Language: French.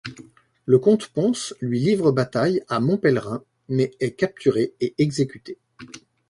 Le comte Pons lui livre bataille à Mont-Pèlerin, mais est capturé et exécuté.